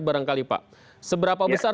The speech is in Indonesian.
barangkali pak seberapa besar